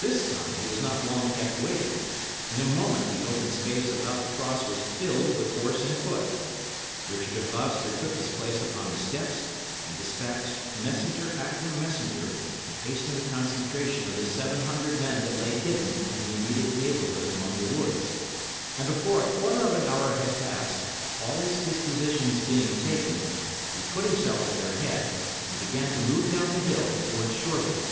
This time he was not long kept waiting. In a moment the open space about the cross was filled with horse and foot. Richard of Gloucester took his place upon the steps, and despatched messenger after messenger to hasten the concentration of the seven hundred men that lay hidden in the immediate neighbourhood among the woods; and before a quarter of an hour had passed, all his dispositions being taken, he put himself at their head, and began to move down the hill towards Shoreby.